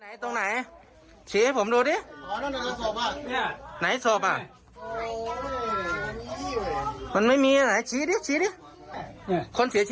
หัวแท้ไปหมดแล้ว